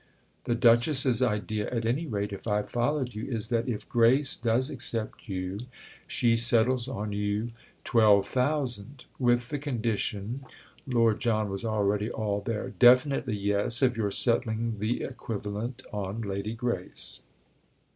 The Duchess's idea, at any rate, if I've followed you, is that if Grace does accept you she settles on you twelve thousand; with the condition—" Lord John was already all there. "Definitely, yes, of your settling the equivalent on Lady Grace."